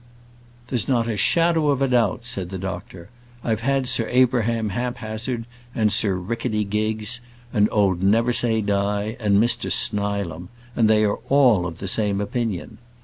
"There's not a shadow of doubt," said the doctor. "I've had Sir Abraham Haphazard, and Sir Rickety Giggs, and old Neversaye Die, and Mr Snilam; and they are all of the same opinion.